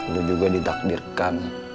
lo juga didakdirkan